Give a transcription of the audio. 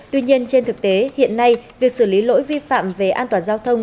tuy nhiên trên thực tế hiện nay việc xử lý lỗi vi phạm về an toàn giao thông